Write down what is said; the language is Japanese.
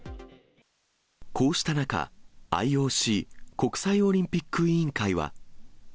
こうした中、ＩＯＣ・国際オリンピック委員会は。